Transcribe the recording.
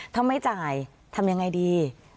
ถ้าไม่จ่ายทำยังไงดี